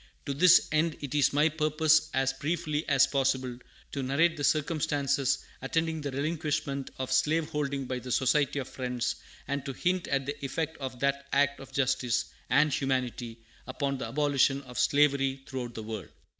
To this end it is my purpose, as briefly as possible, to narrate the circumstances attending the relinquishment of slave holding by the Society of Friends, and to hint at the effect of that act of justice and humanity upon the abolition of slavery throughout the world.